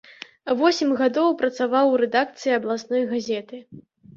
Восем гадоў працаваў у рэдакцыі абласной газеты.